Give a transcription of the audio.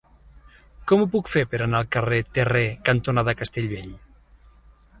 Com ho puc fer per anar al carrer Terré cantonada Castellbell?